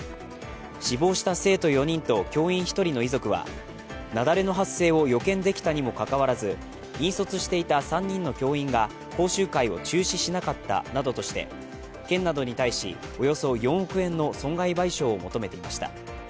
死亡した生徒４人と教員１人の遺族は、雪崩の発生を予見できたにもかかわらず、引率していた３人の教員が講習会を中止しなかったなどとして、県などに対し、およそ４億円の損害賠償を求めていました